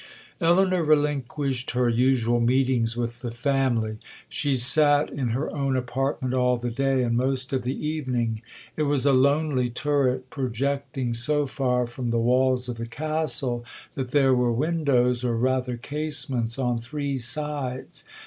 'Elinor relinquished her usual meetings with the family—she sat in her own apartment all the day, and most of the evening. It was a lonely turret projecting so far from the walls of the Castle, that there were windows, or rather casements, on three sides.